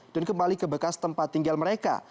dan kembali ke bekas tempat tinggal mereka